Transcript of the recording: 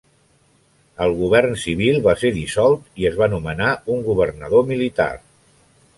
El govern civil va ser dissolt i es va nomenar un governador militar.